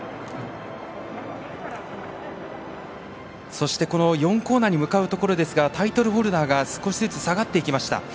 そして、４コーナーに向かうところですがタイトルホルダーが少しずつ下がっていきました。